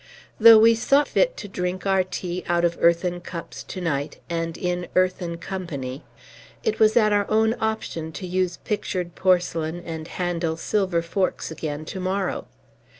Though we saw fit to drink our tea out of earthen cups to night, and in earthen company, it was at our own option to use pictured porcelain and handle silver forks again to morrow.